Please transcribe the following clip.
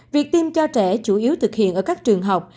việc tiêm cho trẻ chủ yếu thực hiện ở các trường học